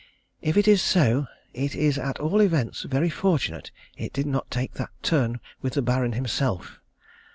If it is so, it is at all events very fortunate it did not take that turn with the Baron himself.